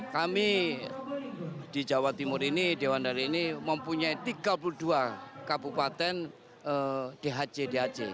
kami di jawa timur ini dewan dari ini mempunyai tiga puluh dua kabupaten dhc dhc